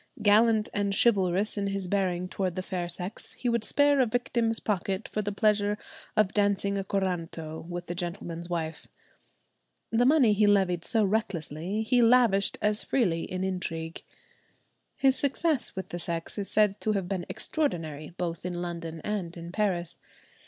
Gallant and chivalrous in his bearing towards the fair sex, he would spare a victim's pocket for the pleasure of dancing a corranto with the gentleman's wife. The money he levied so recklessly he lavished as freely in intrigue. His success with the sex is said to have been extraordinary, both in London and in Paris.